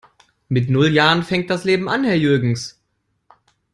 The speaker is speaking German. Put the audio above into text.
Mit null Jahren fängt das Leben an, Herr Jürgens!